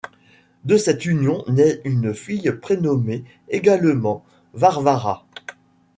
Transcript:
De cette union naît une fille prénommée également Varvara.